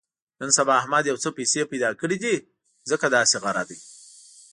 نن سبا احمد یو څه پیسې پیدا کړې دي، ځکه داسې غره دی.